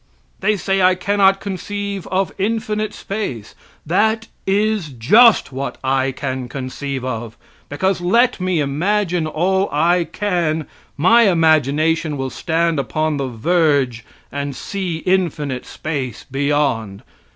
They say I cannot conceive of infinite space! That is just what I can conceive of; because, let me imagine all I can, my imagination will stand upon the verge and see infinite space beyond.